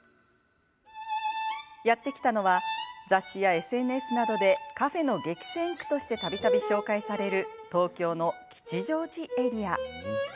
やって来たのは雑誌やＳＮＳなどでカフェの激戦区としてたびたび紹介される東京の吉祥寺エリア。